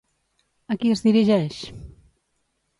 A qui es dirigeix?